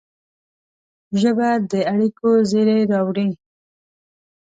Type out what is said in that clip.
ژبه د اړیکو زېری راوړي